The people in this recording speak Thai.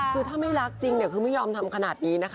คือถ้าไม่รักจริงเนี่ยคือไม่ยอมทำขนาดนี้นะคะ